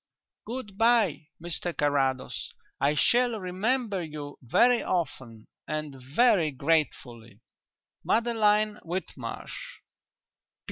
"Good bye, Mr Carrados; I shall remember you very often and very gratefully. "MADELINE WHITMARSH.